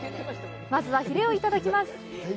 まずは、ヒレをいただきます。